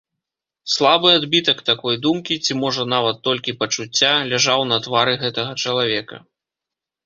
Слабы адбітак такой думкі, ці можа нават толькі пачуцця, ляжаў на твары гэтага чалавека.